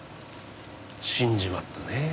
死んじまったねえ。